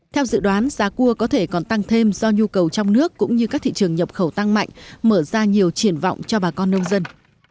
theo dự đoán giá cua có thể còn tăng thêm do nhu cầu trong nước cũng như các thị trường nhập khẩu tăng mạnh mở ra nhiều triển vọng cho bà con nông dân